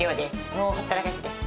もうほったらかしです。